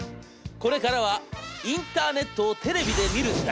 これからはインターネットをテレビで見る時代！